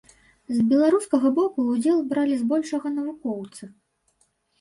З беларускага боку ўдзел бралі збольшага навукоўцы.